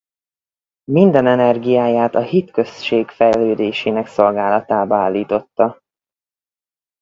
Minden energiáját a hitközség fejlődésének szolgálatába állította.